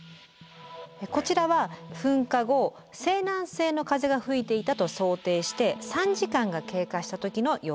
こちらは噴火後西南西の風が吹いていたと想定して３時間が経過した時の様子です。